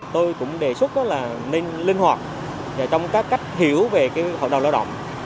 tôi cũng đề xuất là nên linh hoạt trong các cách hiểu về hợp đồng lao động